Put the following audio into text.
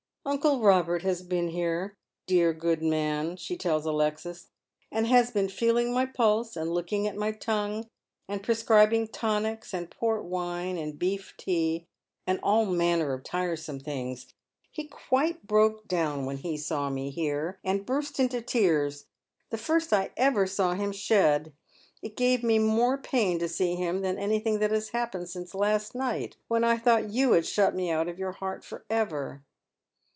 "Uncle Robert has been here, dear good man," she tells Alexis, " and has been feeling my pulse, and looking at my tongue, and prescribing tonics, and port wine, and beef tea, and all manner of tiresome things. He quite broke down when he saw me here, and Nurst into tears — the first I ever saw him shed. It gave me more pain to see him than anything that has happened since last night, wlien I thought you had shut me out of your heart for ever."